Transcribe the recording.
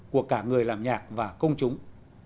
của cả người làm nhạc và công chúng